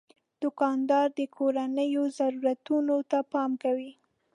دوکاندار د کورنیو ضرورتونو ته پام کوي.